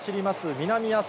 南阿蘇